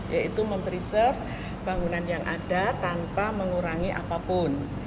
yaitu memberiserve bangunan yang ada tanpa mengurangi apapun